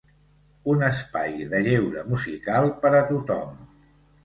Un espai de lleure musical per a tothom.